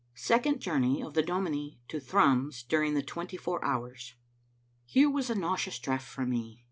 SECOND JOURNEY OF THE DOMINIE TO THRUMS DURING THE TWENTY FOUR HOURS. Here was a nauseous draught for me.